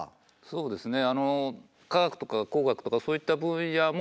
そうですね。